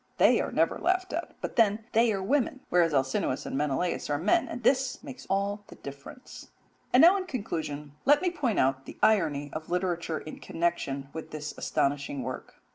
They are never laughed at, but then they are women, whereas Alcinous and Menelaus are men, and this makes all the difference. And now in conclusion let me point out the irony of literature in connection with this astonishing work.